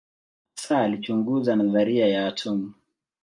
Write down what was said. Hasa alichunguza nadharia ya atomu.